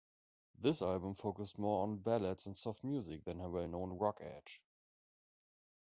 This album focused more on ballads and soft music than her well-known rock edge.